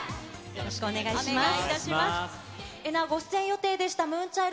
よろしくお願いします。